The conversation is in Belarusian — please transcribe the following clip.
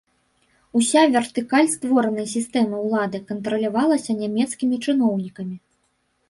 Уся вертыкаль створанай сістэмы ўлады кантралявалася нямецкімі чыноўнікамі.